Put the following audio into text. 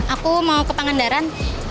aku mau ke pangandaran